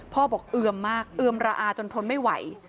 พ่อบอกเอือมมากเอือมระอาจนทนไม่ไหว